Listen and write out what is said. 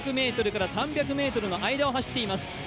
２００ｍから３００ｍの間を走っています。